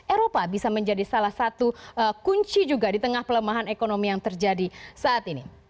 eropa bisa menjadi salah satu kunci juga di tengah pelemahan ekonomi yang terjadi saat ini